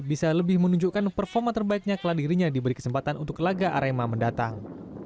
bisa lebih menunjukkan performa terbaiknya kalau dirinya diberi kesempatan untuk laga arema mendatang